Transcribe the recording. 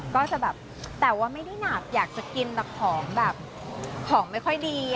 ก็จะแบบแต่ว่าไม่ได้หนักอยากจะกินแบบของแบบของไม่ค่อยดี